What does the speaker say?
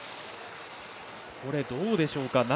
これ、どうでしょうか。